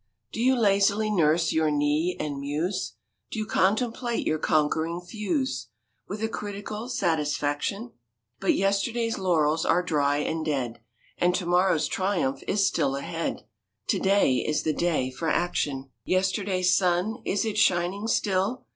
Do you lazily nurse your knee and muse? Do you contemplate your conquering thews With a critical satisfaction? But yesterday's laurels are dry and dead And to morrow's triumph is still ahead; To day is the day for action. Yesterday's sun: is it shining still?